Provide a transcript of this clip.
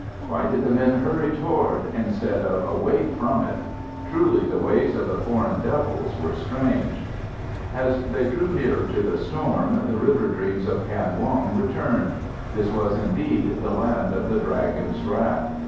Why did the men hurry toward instead of away from it? Truly the ways of the Foreign Devils were strange! As they drew nearer to the storm, the river dreams of Kan Wong returned. This was indeed the land of the Dragon's wrath.